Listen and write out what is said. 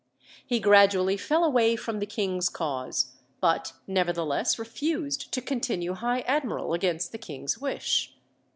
He gradually fell away from the king's cause, but nevertheless refused to continue High Admiral against the king's wish.